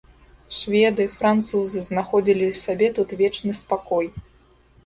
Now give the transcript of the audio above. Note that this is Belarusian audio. Шведы, французы знаходзілі сабе тут вечны спакой.